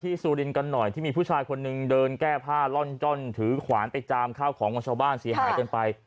ซูลินกันหน่อยที่มีผู้ชายคนหนึ่งเดินแก้ผ้าล่อนจ้อนถือขวานไปจามข้าวของของชาวบ้านเสียหายกันไป